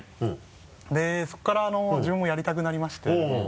でそこから自分もやりたくなりまして。